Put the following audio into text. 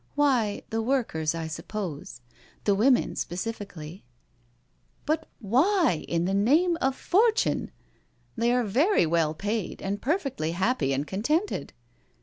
'* Why the workers, I suppose. The women speci ally/' " But why in the name of fortune? They are very well paid and perfectly happy and contented."